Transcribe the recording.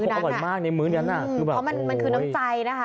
เพราะมันคือน้ำใจนะคะ